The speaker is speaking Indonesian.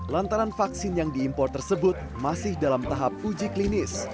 lantaran vaksin yang diimpor tersebut masih dalam tahap uji klinis